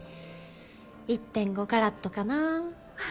１．５カラットかな。